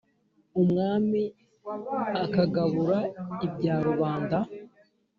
umwami akagabura ibya rubanda,